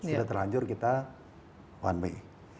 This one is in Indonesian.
sudah terlanjur kita one way